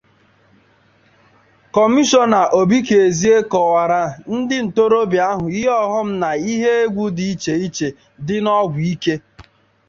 Kọmishọna Obiekezie kọwààrà ndị ntorobịa ahụ ihe ọghọm na ihe egwubdị icheiche dị n'ọgwụ ike